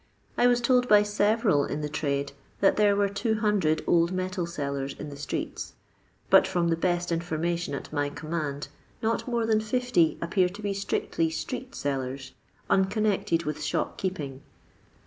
I was told by several in the trade that there were 200 old metal sellers in the streets, but from the best infonuation at my com mand not more than 50 appear to be strictly «<re«^sellers, unconnected with shop keeping.